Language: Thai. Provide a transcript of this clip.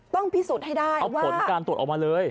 ต้องพิสูจน์ให้ได้ว่าจะเอาผลการตรวจออกมาเลย